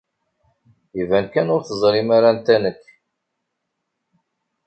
Iban kan ur teẓrim ara anta nekk.